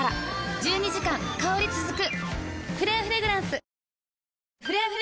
１２時間香り続く。